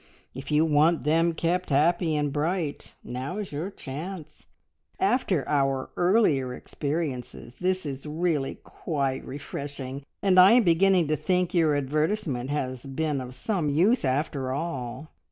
If you want them kept happy and bright, now's your chance! After our earlier experiences this is really quite refreshing, and I am beginning to think your advertisement has been of some use after all.